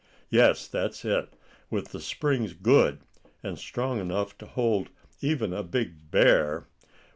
"Yes, that's it, with the springs good, and strong enough to hold even a big bear.